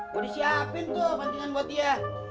mau disiapin tuh bantingan buat dia